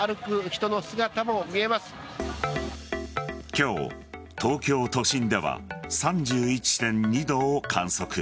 今日、東京都心では３１．２度を観測。